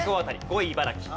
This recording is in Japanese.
５位茨城。